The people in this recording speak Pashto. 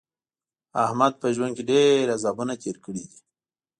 احمد په ژوند کې ډېر عذابونه تېر کړي دي.